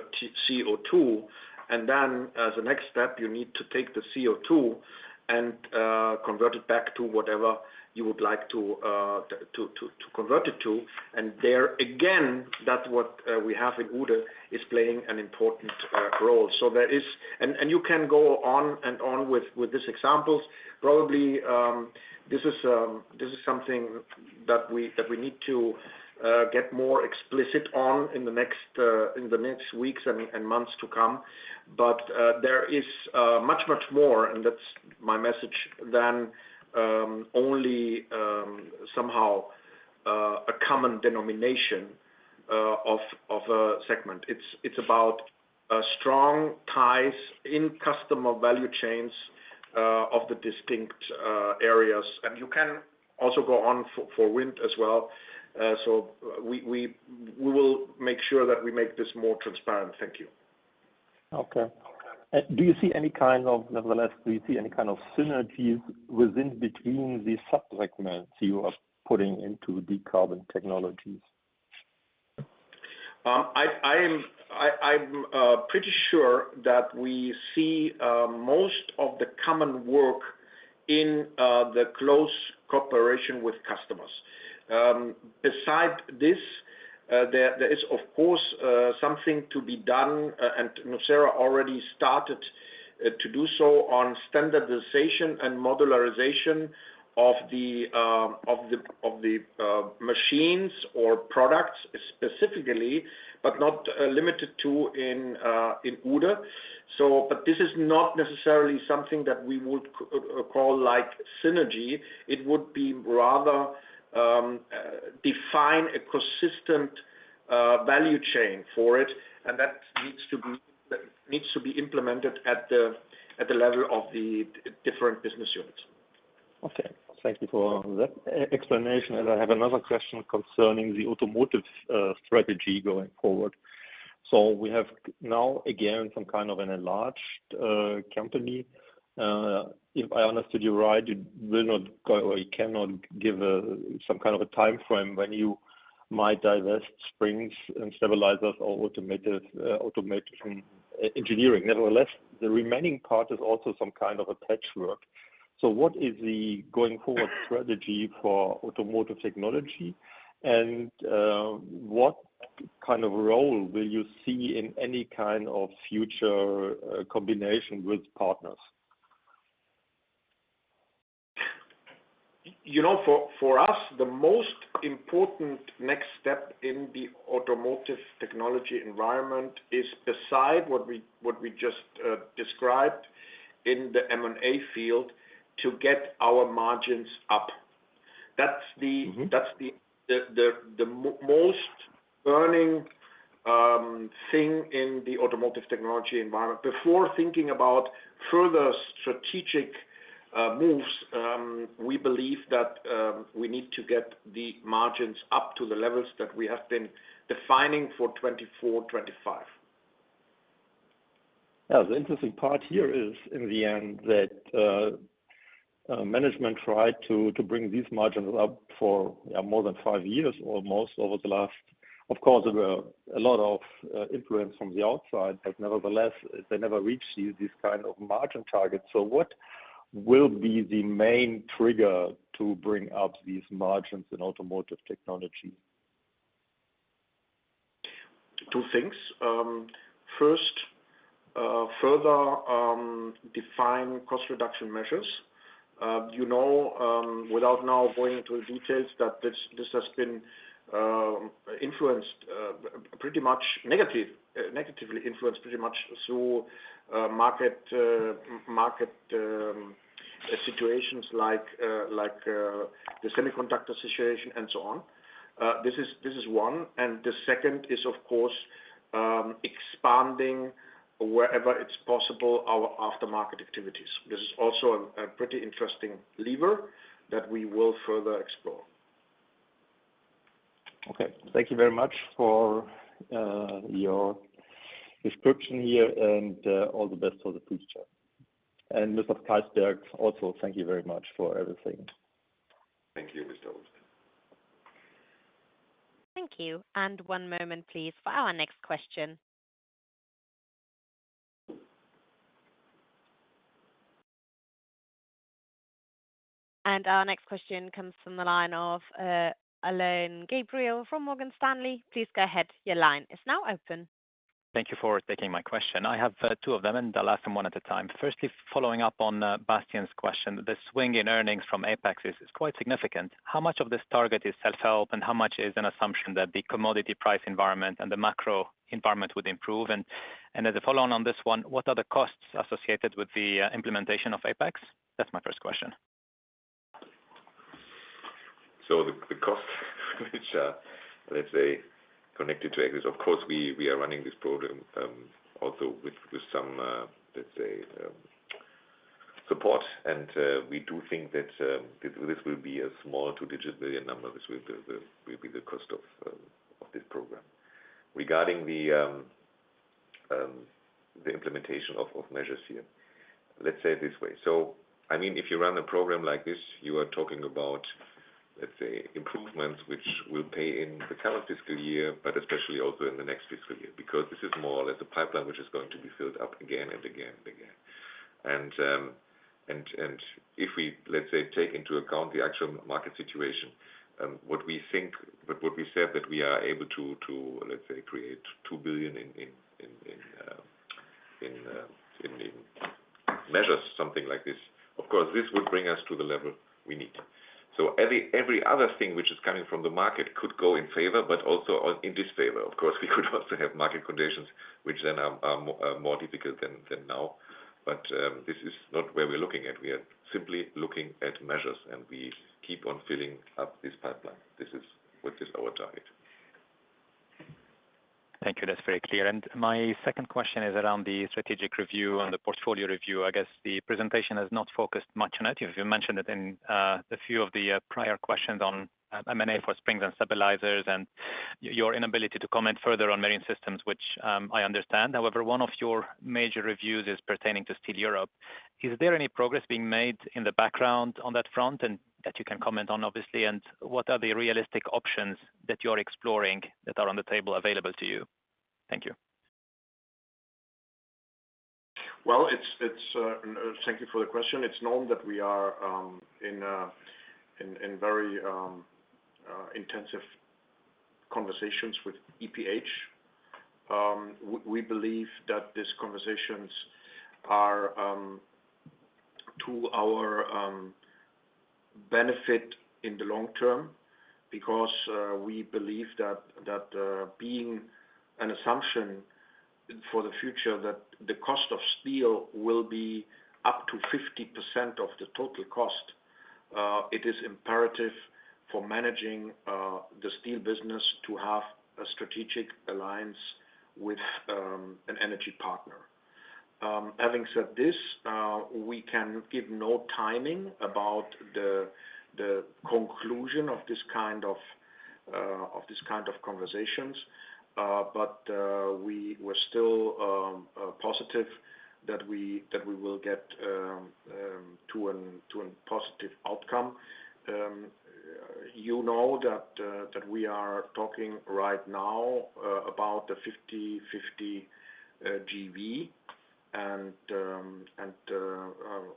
the CO2, and then as a next step, you need to take the CO2 and convert it back to whatever you would like to convert it to. And there, again, that's what we have in Uhde is playing an important role. So there is, and you can go on and on with these examples. Probably, this is something that we need to get more explicit on in the next weeks and months to come. But, there is much, much more, and that's my message, than only somehow a common denomination of a segment. It's about strong ties in customer value chains of the distinct areas. And you can also go on for wind as well. So we will make sure that we make this more transparent. Thank you.
Okay. Do you see any kind of—nevertheless, do you see any kind of synergies within between these sub-segments you are putting into decarbon technologies?
I'm pretty sure that we see most of the common work in the close cooperation with customers. Beside this, there is, of course, something to be done, and nucera already started to do so on standardization and modularization of the machines or products specifically, but not limited to in Uhde. So, but this is not necessarily something that we would call like synergy. It would be rather define a consistent value chain for it, and that needs to be implemented at the level of the different business units.
Okay, thank you for that explanation, as I have another question concerning the automotive strategy going forward. So we have now, again, some kind of an enlarged company. If I understood you right, you will not go or you cannot give some kind of a timeframe when you might divest Springs and Stabilizers or automotive automotive engineering. Nevertheless, the remaining part is also some kind of a patchwork. So what is the going forward strategy for automotive technology? And what kind of role will you see in any kind of future combination with partners?
You know, for us, the most important next step in the automotive technology environment is beside what we just described in the M&A field, to get our margins up. That's the most burning thing in the automotive technology environment. Before thinking about further strategic moves, we believe that we need to get the margins up to the levels that we have been defining for 2024, 2025.
Yeah. The interesting part here is in the end, that management tried to bring these margins up for more than five years, almost over the last. Of course, there were a lot of influence from the outside, but nevertheless, they never reached these kind of margin targets. So what will be the main trigger to bring up these margins in automotive technology?
Two things. First, further define cost reduction measures. You know, without now going into the details, that this, this has been influenced pretty much negative, negatively influenced pretty much through market, market situations like, like the semiconductor situation and so on. This is, this is one, and the second is, of course, expanding wherever it's possible, our aftermarket activities. This is also a pretty interesting lever that we will further explore.
Okay. Thank you very much for your description here, and all the best for the future. And Mr. Keysberg, also, thank you very much for everything.
Thank you, Mr. Obst.
Thank you. One moment, please, for our next question. Our next question comes from the line of Alain Gabriel from Morgan Stanley. Please go ahead. Your line is now open.
Thank you for taking my question. I have two of them, and I'll ask them one at a time. Firstly, following up on Bastian's question, the swing in earnings from APEX is quite significant. How much of this target is self-help, and how much is an assumption that the commodity price environment and the macro environment would improve? And as a follow-on on this one, what are the costs associated with the implementation of APEX? That's my first question.
So the cost, which are, let's say, connected to APEX, of course, we are running this program also with some, let's say, support. And we do think that this will be a small two-digit million number. This will be the cost of this program. Regarding the implementation of measures here, let's say it this way: so I mean, if you run a program like this, you are talking about, let's say, improvements, which will pay in the current fiscal year, but especially also in the next fiscal year, because this is more or less a pipeline which is going to be filled up again and again and again. And if we, let's say, take into account the actual market situation, what we think, but what we said, that we are able to, let's say, create 2 billion in measures something like this. Of course, this would bring us to the level we need. So every other thing which is coming from the market could go in favor, but also in disfavor. Of course, we could also have market conditions, which then are more difficult than now. But this is not where we're looking at. We are simply looking at measures, and we keep on filling up this pipeline. This is, which is our target.
Thank you. That's very clear. And my second question is around the strategic review and the portfolio review. I guess, the presentation has not focused much on it. You've mentioned it in a few of the prior questions on M&A for Springs and Stabilizers, and your inability to comment further on Marine Systems, which I understand. However, one of your major reviews is pertaining to Steel Europe. Is there any progress being made in the background on that front, and that you can comment on, obviously? And what are the realistic options that you are exploring that are on the table available to you? Thank you.
Well, it's. Thank you for the question. It's known that we are in very intensive conversations with EPH. We believe that these conversations are to our benefit in the long term, because we believe that, being an assumption for the future, that the cost of steel will be up to 50% of the total cost. It is imperative for managing the steel business to have a strategic alliance with an energy partner. Having said this, we can give no timing about the conclusion of this kind of conversations. But we were still positive that we will get to a positive outcome. You know that we are talking right now about the 50/50 JV.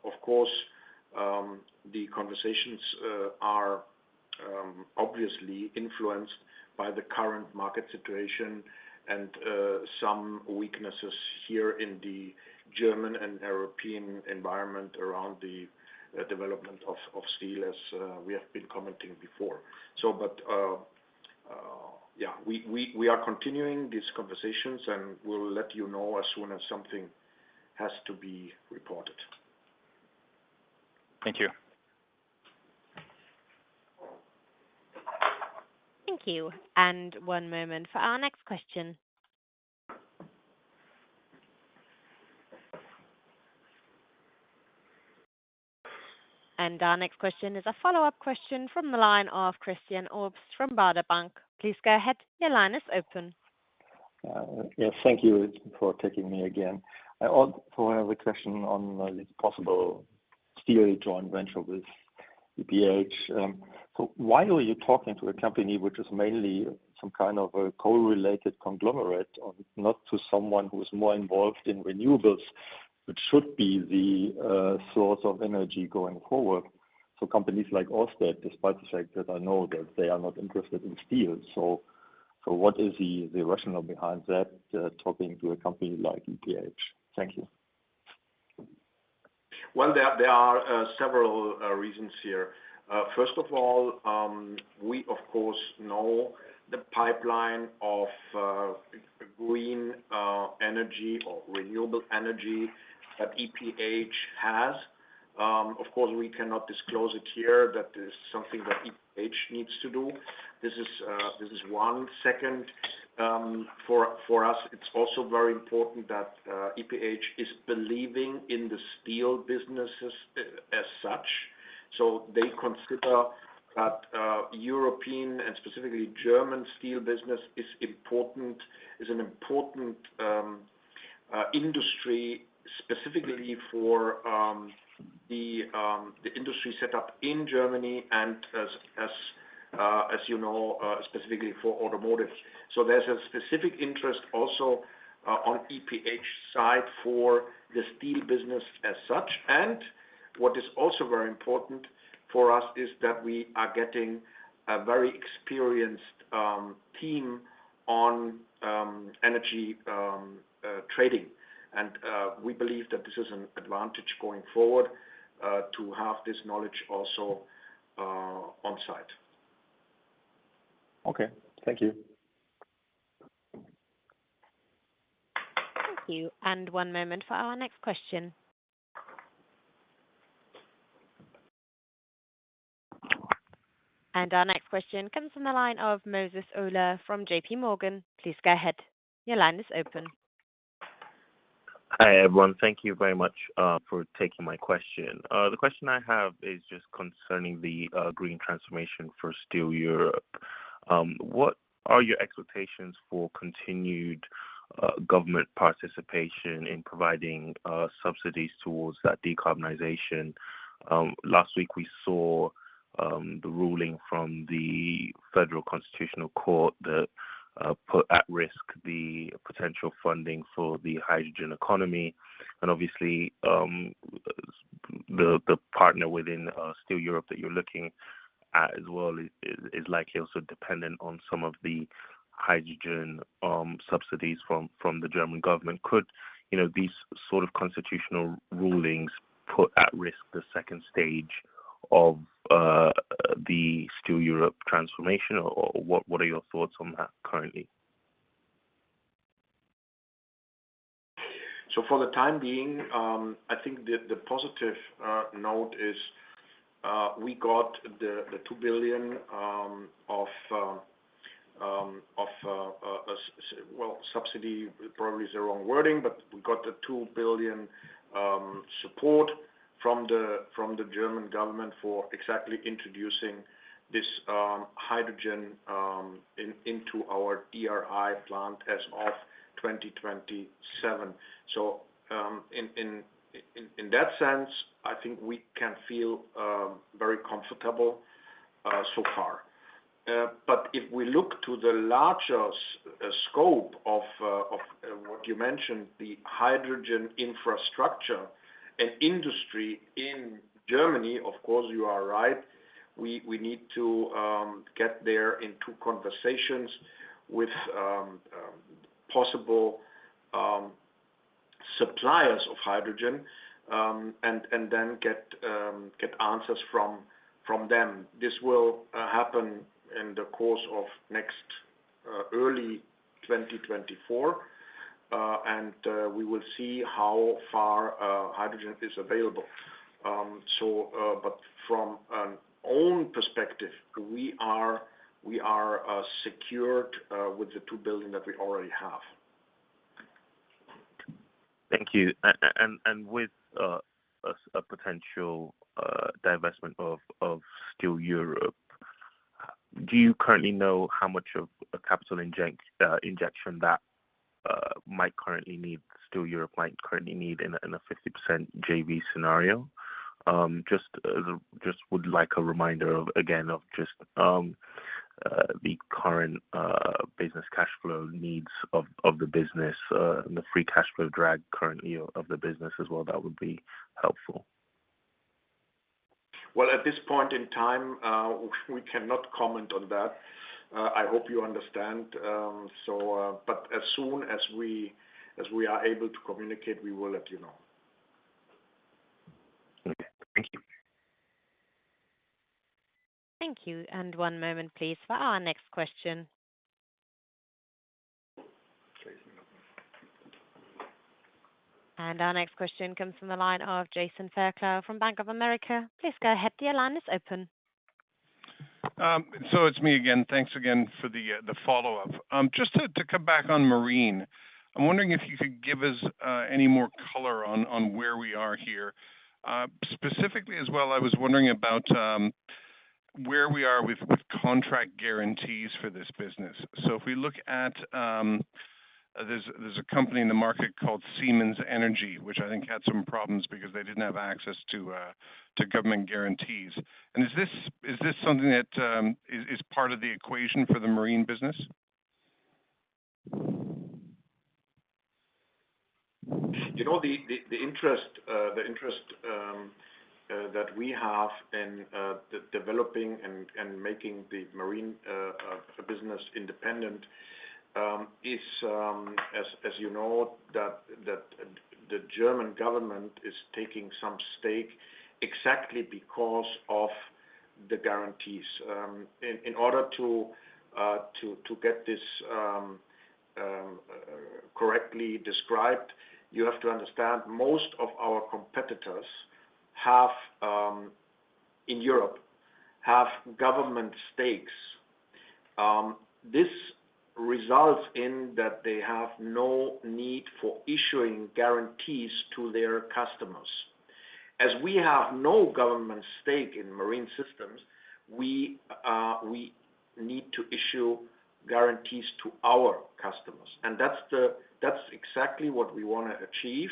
Of course, the conversations are obviously influenced by the current market situation and some weaknesses here in the German and European environment around the development of steel, as we have been commenting before. We are continuing these conversations, and we'll let you know as soon as something has to be reported.
Thank you.
Thank you. One moment for our next question. Our next question is a follow-up question from the line of Christian Obst from Baader Bank. Please go ahead. Your line is open.
Yeah, thank you for taking me again. I also have a question on the possible steel joint venture with EPH. So why are you talking to a company which is mainly some kind of a coal-related conglomerate, or not to someone who is more involved in renewables, which should be the source of energy going forward? So companies like Ørsted, despite the fact that I know that they are not interested in steel. So what is the rationale behind that talking to a company like EPH? Thank you.
Well, there are several reasons here. First of all, we, of course, know the pipeline of green energy or renewable energy that EPH has. Of course, we cannot disclose it here. That is something that EPH needs to do. This is one. Second, for us, it's also very important that EPH is believing in the steel business as such. So they consider that European and specifically German steel business is important, is an important industry, specifically for the industry set up in Germany and as you know, specifically for automotive. So there's a specific interest also on EPH side for the steel business as such. What is also very important for us is that we are getting a very experienced team on energy trading. We believe that this is an advantage going forward to have this knowledge also on site.
Okay. Thank you.
Thank you. One moment for our next question. Our next question comes from the line of Moses Ola from JPMorgan. Please go ahead. Your line is open.
Hi, everyone. Thank you very much for taking my question. The question I have is just concerning the green transformation for Steel Europe. What are your expectations for continued government participation in providing subsidies towards that decarbonization? Last week, we saw the ruling from the Federal Constitutional Court that put at risk the potential funding for the hydrogen economy. And obviously the partner within Steel Europe that you're looking at as well is likely also dependent on some of the hydrogen subsidies from the German government. Could you know these sort of constitutional rulings put at risk the second stage of the Steel Europe transformation, or what are your thoughts on that currently?
So for the time being, I think the positive note is, we got the 2 billion. Well, subsidy probably is the wrong wording, but we got the 2 billion support from the German government for exactly introducing this hydrogen into our DRI plant as of 2027. So, in that sense, I think we can feel very comfortable so far. But if we look to the larger scope of what you mentioned, the hydrogen infrastructure and industry in Germany, of course you are right, we need to get there into conversations with possible suppliers of hydrogen, and then get answers from them. This will happen in the course of next early 2024, and we will see how far hydrogen is available. So, but from an own perspective, we are, we are secured with the 2 billion that we already have.
Thank you. And with a potential divestment of Steel Europe, do you currently know how much of a capital injection that might currently need, Steel Europe might currently need in a 50% JV scenario? Just would like a reminder of, again, just the current business cash flow needs of the business and the free cash flow drag currently of the business as well. That would be helpful.
Well, at this point in time, we cannot comment on that. I hope you understand, but as soon as we are able to communicate, we will let you know.
Okay. Thank you.
Thank you. One moment, please, for our next question. Jason. Our next question comes from the line of Jason Fairclough from Bank of America. Please go ahead, your line is open.
So it's me again. Thanks again for the follow-up. Just to come back on marine, I'm wondering if you could give us any more color on where we are here. Specifically as well, I was wondering about where we are with contract guarantees for this business. So if we look at, there's a company in the market called Siemens Energy, which I think had some problems because they didn't have access to government guarantees. And is this something that is part of the equation for the marine business?
You know, the interest that we have in developing and making the marine business independent is, as you know, that the German government is taking some stake exactly because of the guarantees. In order to get this correctly described, you have to understand most of our competitors in Europe have government stakes. This results in that they have no need for issuing guarantees to their customers. As we have no government stake in Marine Systems, we need to issue guarantees to our customers. And that's exactly what we want to achieve,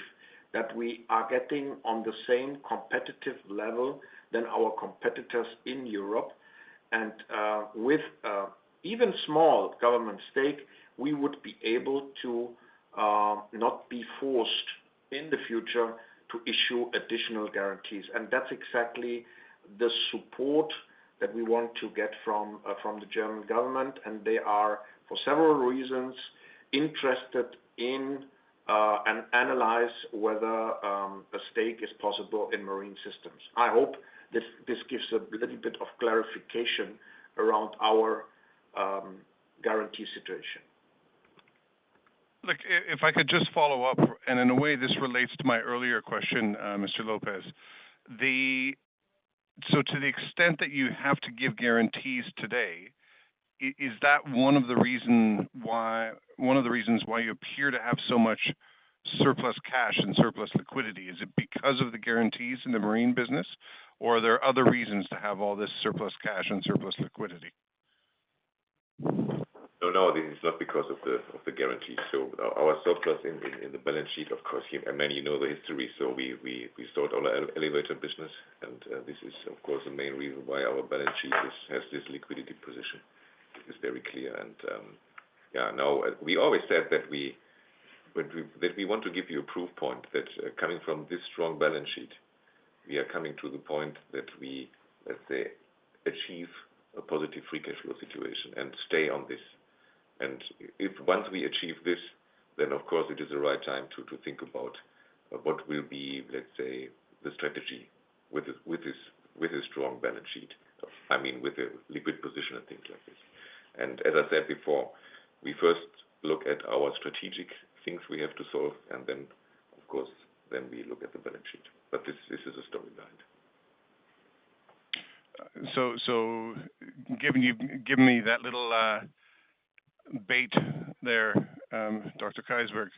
that we are getting on the same competitive level than our competitors in Europe. With even a small government stake, we would be able to not be forced in the future to issue additional guarantees. That's exactly the support that we want to get from the German government, and they are, for several reasons, interested in and analyze whether a stake is possible in Marine Systems. I hope this gives a little bit of clarification around our guarantee situation.
Look, if I could just follow up, and in a way, this relates to my earlier question, Mr. López. So to the extent that you have to give guarantees today, is that one of the reasons why you appear to have so much surplus cash and surplus liquidity? Is it because of the guarantees in the marine business, or are there other reasons to have all this surplus cash and surplus liquidity?
No, no, this is not because of the guarantee. So our surplus in the balance sheet, of course, and many know the history, so we start our elevator business, and this is, of course, the main reason why our balance sheet has this liquidity position. It's very clear and, yeah, no, we always said that we- But we, that we want to give you a proof point that, coming from this strong balance sheet, we are coming to the point that we, let's say, achieve a positive free cash flow situation and stay on this. And if once we achieve this, then, of course, it is the right time to think about what will be, let's say, the strategy with a, with a strong balance sheet. I mean, with a liquid position and things like this. And as I said before, we first look at our strategic things we have to solve, and then, of course, we look at the balance sheet. But this is a story behind.
So, giving me that little bait there, Dr. Keysberg,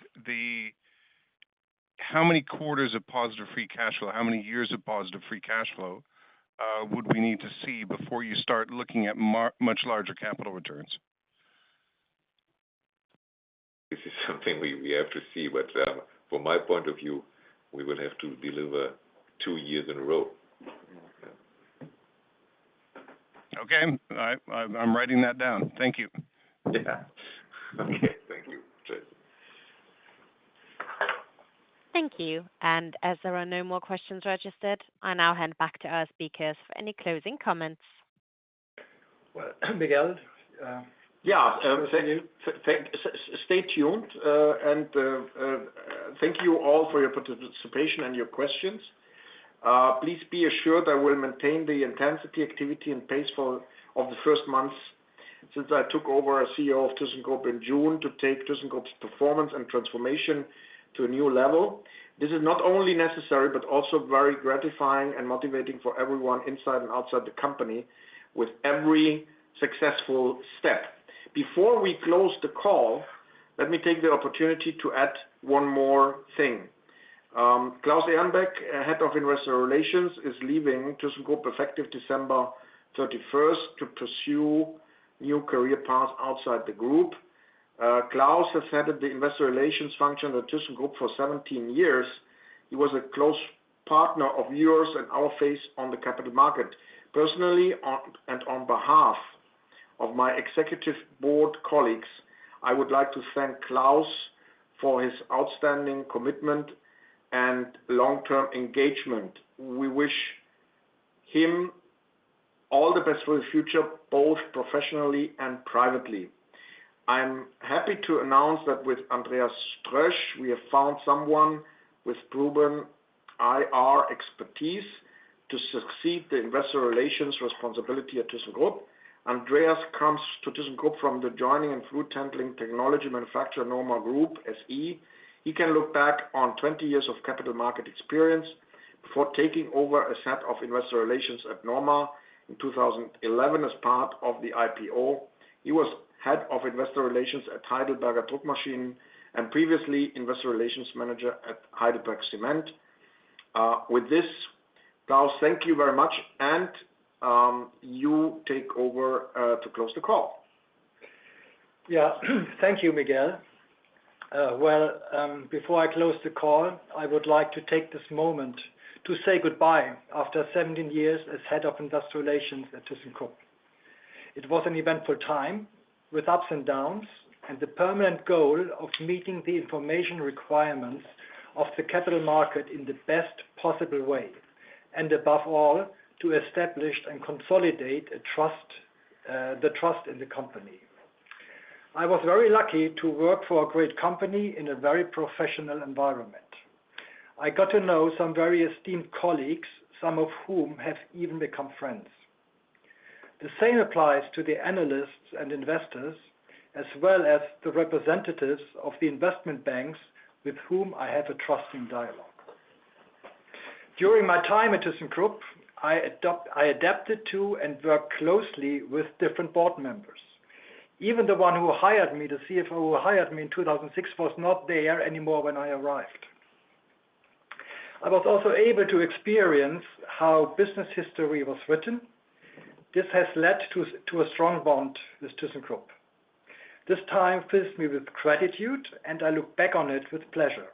how many quarters of positive free cash flow, how many years of positive free cash flow, would we need to see before you start looking at much larger capital returns?
This is something we have to see, but from my point of view, we will have to deliver two years in a row.
Okay. All right. I'm writing that down. Thank you.
Yeah. Okay, thank you. Cheers.
Thank you. As there are no more questions registered, I now hand back to our speakers for any closing comments.
Well, Miguel.
Yeah, thank you. Stay tuned, and thank you all for your participation and your questions. Please be assured I will maintain the intensity, activity, and pace of the first months since I took over as CEO of Thyssenkrupp in June, to take Thyssenkrupp's performance and transformation to a new level. This is not only necessary, but also very gratifying and motivating for everyone inside and outside the company with every successful step. Before we close the call, let me take the opportunity to add one more thing. Claus Ehrenbeck, Head of Investor Relations, is leaving Thyssenkrupp effective December 31st to pursue new career paths outside the group. Klaus has headed the investor relations function at Thyssenkrupp for 17 years. He was a close partner of yours and our face on the capital market. Personally, on and on behalf of my executive board colleagues, I would like to thank Klaus for his outstanding commitment and long-term engagement. We wish him all the best for the future, both professionally and privately. I'm happy to announce that with Andreas Trösch, we have found someone with proven IR expertise to succeed the investor relations responsibility at Thyssenkrupp. Andreas comes to Thyssenkrupp from the joining and fluid handling technology manufacturer NORMA Group SE. He can look back on 20 years of capital market experience. Before taking over as head of Investor Relations at NORMA in 2011, as part of the IPO, he was head of Investor Relations at Heidelberger Druckmaschinen, and previously, Investor Relations Manager at HeidelbergCement. With this, Klaus, thank you very much, and you take over to close the call.
Yeah, thank you, Miguel. Before I close the call, I would like to take this moment to say goodbye after 17 years as head of Investor Relations at Thyssenkrupp. It was an eventful time, with ups and downs, and the permanent goal of meeting the information requirements of the capital market in the best possible way, and above all, to establish and consolidate a trust, the trust in the company. I was very lucky to work for a great company in a very professional environment. I got to know some very esteemed colleagues, some of whom have even become friends. The same applies to the analysts and investors, as well as the representatives of the investment banks with whom I had a trusting dialogue. During my time at Thyssenkrupp, I adapted to and worked closely with different board members. Even the one who hired me, the CFO who hired me in 2006, was not there anymore when I arrived. I was also able to experience how business history was written. This has led to a strong bond with Thyssenkrupp. This time fills me with gratitude, and I look back on it with pleasure.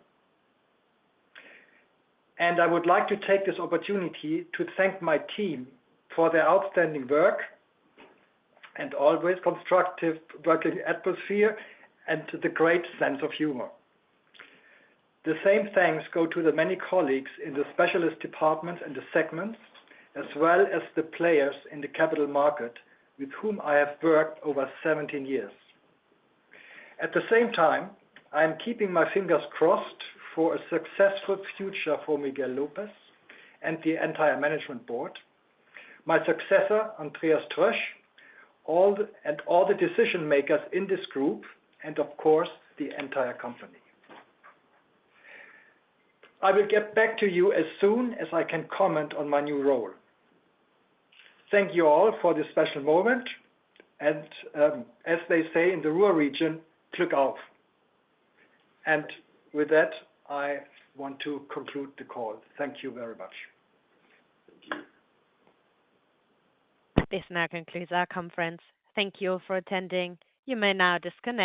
I would like to take this opportunity to thank my team for their outstanding work and always constructive working atmosphere and to the great sense of humor. The same thanks go to the many colleagues in the specialist departments and the segments, as well as the players in the capital market with whom I have worked over 17 years. At the same time, I am keeping my fingers crossed for a successful future for Miguel López and the entire management board. My successor, Andreas Trösch, all and all the decision-makers in this group, and of course, the entire company. I will get back to you as soon as I can comment on my new role. Thank you all for this special moment, and, as they say in the Ruhr region, Glück auf! And with that, I want to conclude the call. Thank you very much.
Thank you.
This now concludes our conference. Thank you for attending. You may now disconnect.